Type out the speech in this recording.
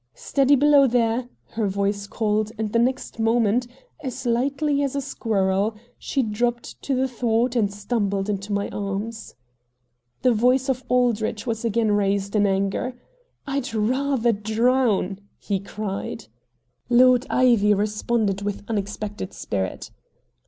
"Steady below there!" her voice called, and the next moment, as lightly as a squirrel, she dropped to the thwart and stumbled into my arms. The voice of Aldrich was again raised in anger. "I'd rather drown!" he cried. Lord Ivy responded with unexpected spirit.